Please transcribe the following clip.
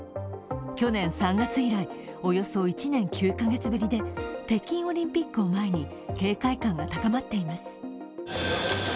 去年３月以来およそ１年９カ月ぶりで北京オリンピックを前に警戒感が高まっています。